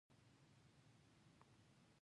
په اوسني وخت کې د کامیابې رهبرۍ کونجي نفوذ دی.